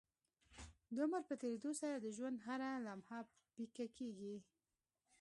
د عمر په تيريدو سره د ژوند هره لمحه پيکه کيږي